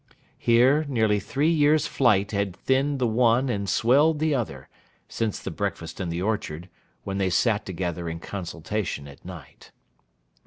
Here, nearly three years' flight had thinned the one and swelled the other, since the breakfast in the orchard; when they sat together in consultation at night.